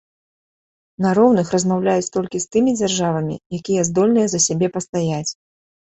На роўных размаўляюць толькі з тымі дзяржавамі, якія здольныя за сябе пастаяць.